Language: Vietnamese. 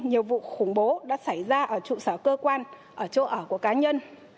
nhiều vụ khủng bố đã xảy ra ở trụ sở cơ quan ở chỗ ở của cá nhân